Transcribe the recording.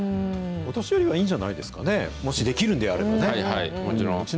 お年寄りはいいんじゃないんですかね、もしできるんであればもちろん。